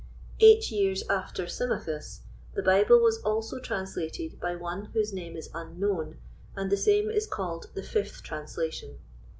Eight years after Symmachus, the Bible was also translated by one whose name is unknown, and the same is called the Fifth Translation.